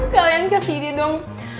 kalian kasih dia dong